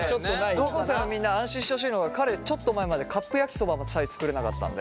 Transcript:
高校生のみんな安心してほしいのは彼ちょっと前までカップ焼きそばさえ作れなかったんで。